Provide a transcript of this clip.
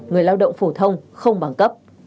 người lao động phổ thông không bằng cấp